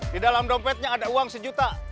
di dalam dompetnya ada uang sejuta